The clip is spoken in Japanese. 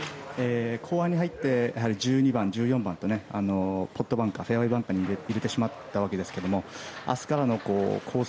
後半に入って１２番、１４番とポットバンカーフェアウェーバンカーに入れてしまったわけですけれども明日からのコース